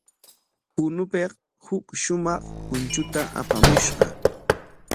Punopik huk shumaq punchuta apamushqa.